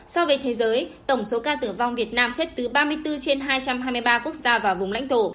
so với thế giới tổng số ca tử vong việt nam xếp thứ ba mươi bốn trên hai trăm hai mươi ba quốc gia và vùng lãnh thổ